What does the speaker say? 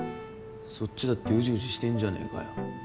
そっちだってウジウジしてんじゃねえかよ。